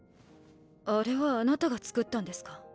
あれはあなたが作ったんですか？